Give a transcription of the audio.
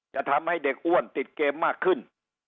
จะทำให้เด็กอ้วนติดเกมมากขึ้น